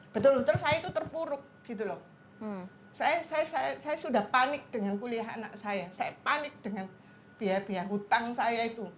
betul betul saya itu terpuruk gitu loh saya sudah panik dengan kuliah anak saya saya panik dengan biaya biaya hutang saya itu